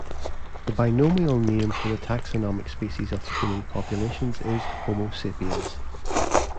The binomial name for the taxonomic species of the human population is "Homo sapiens".